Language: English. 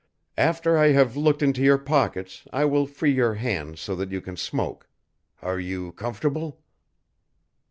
"After I have looked into your pockets I will free your hands so that you can smoke. Are you comfortable?"